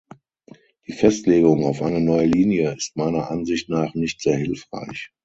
Die Festlegung auf eine neue Linie ist meiner Ansicht nach nicht sehr hilfreich.